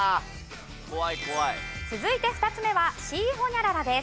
続いて２つ目はシーホニャララです。